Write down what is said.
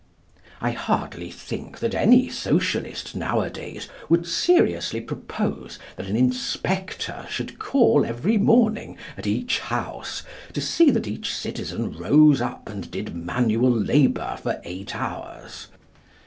I hardly think that any Socialist, nowadays, would seriously propose that an inspector should call every morning at each house to see that each citizen rose up and did manual labour for eight hours.